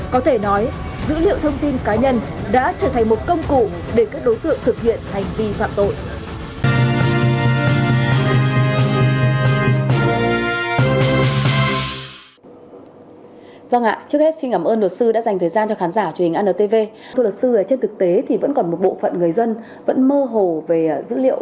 có thể nói dữ liệu thông tin cá nhân đã trở thành một công cụ để các đối tượng thực hiện hành vi phạm tội